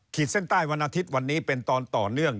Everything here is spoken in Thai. เส้นใต้วันอาทิตย์วันนี้เป็นตอนต่อเนื่อง